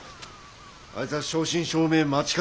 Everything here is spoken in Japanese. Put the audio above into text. あいつは正真正銘町方